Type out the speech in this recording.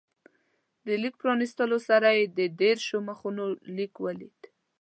د لیک پرانستلو سره یې د دېرشو مخونو لیک ولید.